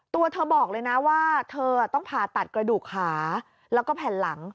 ตัวเธอบอกเลยนะว่าเธอต้องผ่าตัดกระดูกขาแล้วก็แผ่นหลัง